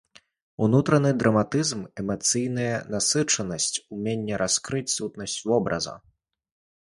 Унутраны драматызм, эмацыйная насычанасць, уменне раскрыць сутнасць вобраза.